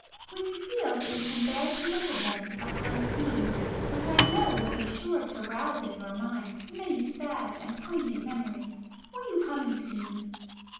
When you feel that you can bear to look again upon scenes which I know [p 485] will be sure to rouse in your mind many sad and poignant memories, will you come and see me?